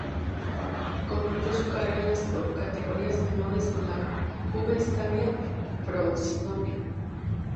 Concluyó su carrera en las categorías menores con la Juve Stabia y Frosinone.